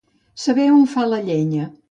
Saber on fa la llenya.